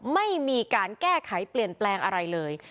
ไม่มีการแก้ไขเปลี่ยนแปลงอะไรเลย